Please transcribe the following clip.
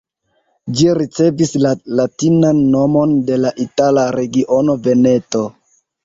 Ĝi ricevis la latinan nomon de la itala regiono Veneto.